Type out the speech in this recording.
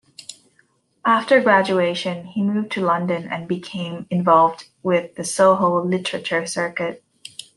After graduation, he moved to London and became involved with the Soho literature circuit.